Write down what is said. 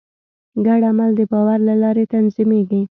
ګډ عمل د باور له لارې تنظیمېږي.